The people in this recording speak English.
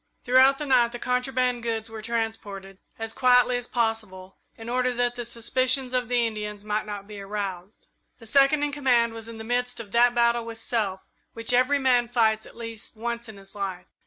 Throughout the night the contraband goods were transported, as quietly as possible, in order that the suspicions of the Indians might not be aroused. The Second in Command was in the midst of that battle with self which every man fights at least once in his life.